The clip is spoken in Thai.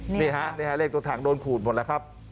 นี่ฮะนี่ฮะเลขตัวถังโดนขูดหมดแล้วครับ